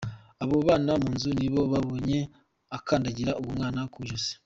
Abo babana mu nzu nibo babonye akandagira uwo mwana ku ijosi.